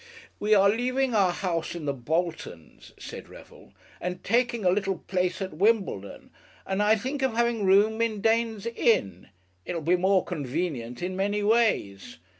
"We are leaving our house in The Boltons," said Revel, "and taking a little place at Wimbledon, and I think of having rooms in Dane's Inn. It will be more convenient in many ways.